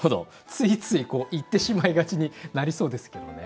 ついつい言ってしまいがちになりそうですけどね。